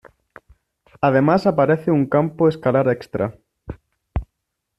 Además aparece un campo escalar extra.